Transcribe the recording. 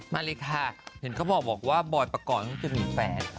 มาเลยค่ะเห็นเขาบอกว่าบอยปกรณ์จะมีแฟน